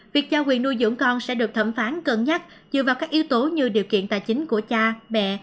việc trao quyền nuôi dưỡng con sẽ được thẩm phán cân nhắc dựa vào các yếu tố như điều kiện tài chính của cha mẹ